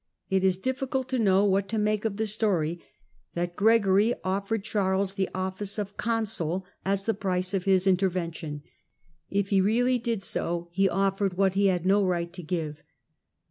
It difficult to know what to make of the story that xregory offered Charles the office of consul as the >rice of his intervention. If he really did so, he offered vhat he had no right to give.